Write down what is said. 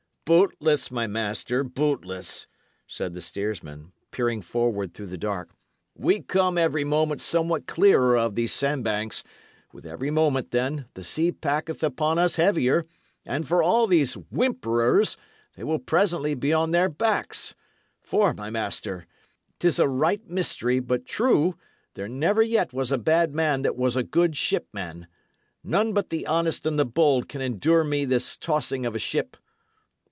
"Bootless, my master, bootless," said the steersman, peering forward through the dark. "We come every moment somewhat clearer of these sandbanks; with every moment, then, the sea packeth upon us heavier, and for all these whimperers, they will presently be on their backs. For, my master, 'tis a right mystery, but true, there never yet was a bad man that was a good shipman. None but the honest and the bold can endure me this tossing of a ship."